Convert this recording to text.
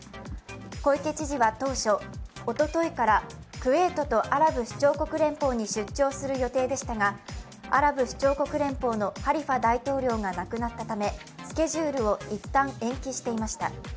小池知事は当初、おとといからクウェートとアラブ首長国連邦に出張する予定でしたがアラブ首長国連邦のハリファ大統領が亡くなったためスケジュールをいったん延期していました。